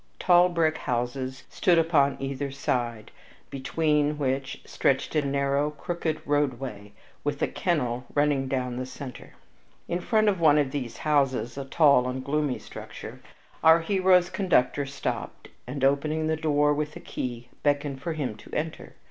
Tall brick houses stood upon either side, between which stretched a narrow, crooked roadway, with a kennel running down the center. In front of one of these houses a tall and gloomy structure our hero's conductor stopped and, opening the door with a key, beckoned for him to enter.